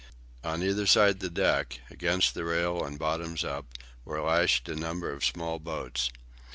On either side the deck, against the rail and bottoms up, were lashed a number of small boats.